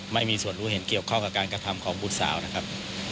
ไม่มีส่วนรู้เห็นเกี่ยวข้องกับการกระทำของบุตรสาวนะครับ